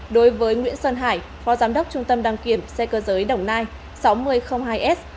đối với nguyễn sơn hải phó giám đốc trung tâm đăng kiểm xe cơ giới đồng nai sáu nghìn hai s